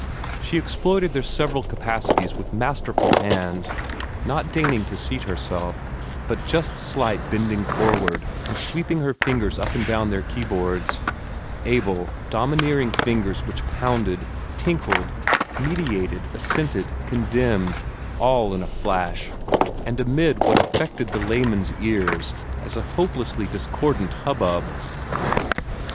She exploited their several capacities with masterful hands, not deigning to seat herself, but just slightly bending forward, and sweeping her fingers up and down their keyboards able, domineering fingers which pounded, tinkled, meditated, assented, condemned, all in a flash, and amid what affected the layman's ears as a hopelessly discordant hubbub.